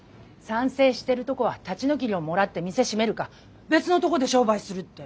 賛成してるとこは立ち退き料もらって店閉めるか別のとこで商売するって。